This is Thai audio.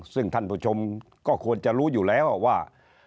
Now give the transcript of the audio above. ซึ่งท่านผู้ชมก็ควรจะรู้อยู่แล้วว่า